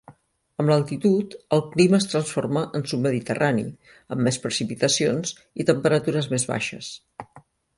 Amb l’altitud, el clima es transforma en submediterrani, amb més precipitacions i temperatures més baixes.